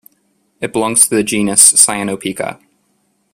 It belongs to the genus "Cyanopica".